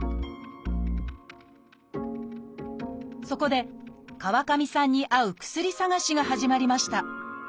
そこで川上さんに合う薬探しが始まりました。